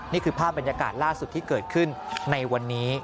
นี่คือภาพบรรยากาศล่าสุดที่เกิดขึ้นในวันนี้